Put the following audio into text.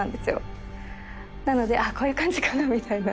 なのでこういう感じかなみたいな。